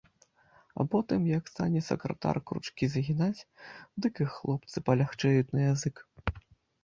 А потым, як стане сакратар кручкі загінаць, дык і хлопцы палягчэюць на язык.